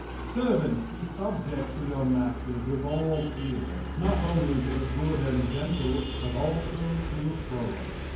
"Servants, be subject to your masters with all fear; not only to the good and gentle but also to the froward."